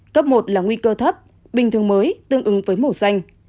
cấp một là nguy cơ thấp bình thường mới tương ứng với màu xanh